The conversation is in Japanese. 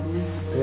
え？